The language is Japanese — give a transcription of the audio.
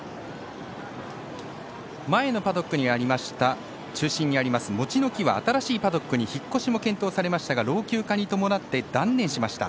前のパドックにありました中心にあります、モチノキは新しいパドックに引っ越しも検討されましたが老朽化に伴って断念しました。